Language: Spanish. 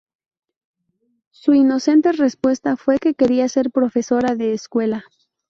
Su inocente respuesta fue que quería ser profesora de escuela.